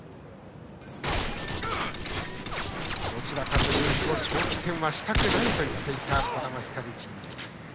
どちらかというと長期戦はしたくないと言っていた、児玉ひかる陣営。